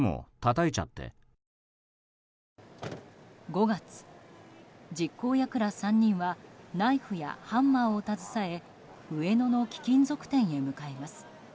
５月、実行役ら３人はナイフやハンマーを携え上野の貴金属店へ向かいます。